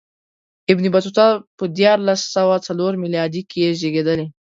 ابن بطوطه په دیارلس سوه څلور میلادي کې زېږېدلی.